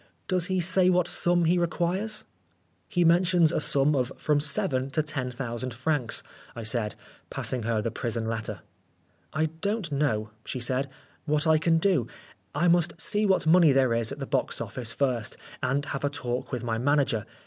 Does he say what sum he requires ?" "He mentions a sum of from seven to ten thousand francs," I said, passing her the prison letter. " I don't know," she said, "what I can do ? I must see what money there is at the box office first, and have a talk with my manager.